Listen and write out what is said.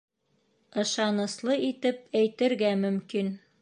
Ышаныслы итеп әйтергә мөмкин